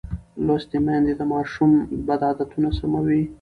لوستې میندې د ماشوم بد عادتونه سموي.